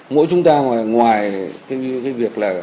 mỗi chúng ta ngoài cái việc là